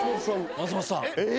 松本さん。え！？